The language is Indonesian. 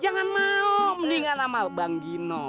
jangan mau meninggal sama bang gino